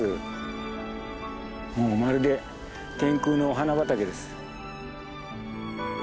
もうまるで天空のお花畑です。